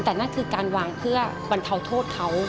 แต่นั่นคือการวางเพื่อบรรเทาโทษเขา